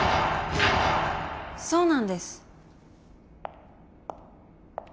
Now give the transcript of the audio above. そうなんです。